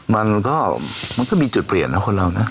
มันก็มันก็มีจุดเปลี่ยนนะคนเรานะ